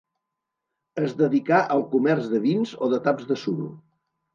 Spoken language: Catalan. Es dedicà al comerç de vins o de taps de suro.